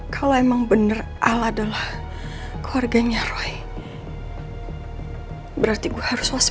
kalau emang bener al adalah keluarganya roy berarti gue harus waspada